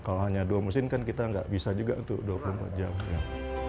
kalau hanya dua mesin kan kita nggak bisa juga untuk dua puluh empat jam kan